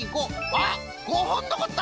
あっ５ほんのこった！